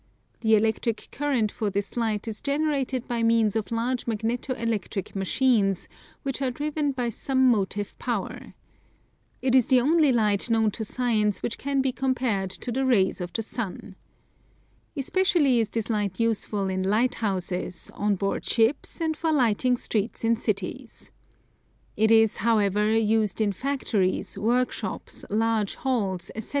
The electric current for this light is generated by means of large magneto electric machines, which are driven by some motive power. It is the only light known to science which can be compared to the rays of the sun. Especially is this light useful in lighthouses, on board ships and for lighting streets in cities. It is, however, used in factories, work shops, large halls, etc.